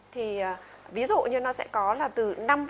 thì ví dụ như nó sẽ có là từ năm mươi